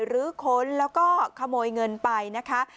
หรือค้นแล้วก็ขโมยเงินไปนะคะ